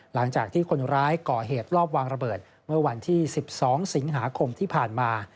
หลังจากที่คนร้ายก่อเหตุรอบวางระเบิดเมื่อวันที่๑๒สิงหาคมที่ผ่านมา